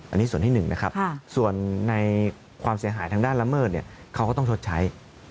อันนี้ส่วนที่หนึ่งนะครับส่วนในความเสียหายทางด้านละเมิดเขาก็ต้องชดใช้